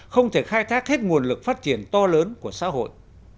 không thể khai thác hết nguồn lực phát triển to lớn của xã hội